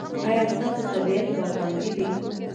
ایا ستاسو طبیعت به خوندي وي؟